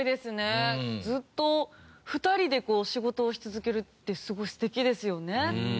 ずっと２人で仕事をし続けるってすごい素敵ですよね。